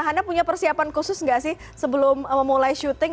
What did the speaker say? hana punya persiapan khusus nggak sih sebelum memulai syuting